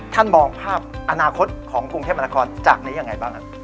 ท่านมองภาพอนาคตของกรุงเทพมันละครจากนี้อย่างไรบ้างอ่ะ